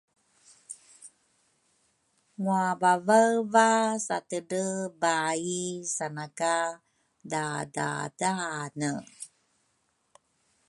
Ngwavavaeva satedre baai sanaka dadadaane